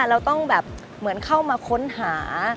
เราต้องแบบเหมือนเข้ามาค้นหา